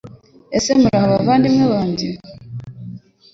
Ese muraho bavandi banjye